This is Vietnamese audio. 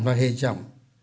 và hề trọng